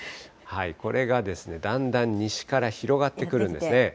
これがだんだん西から広がってくるんですね。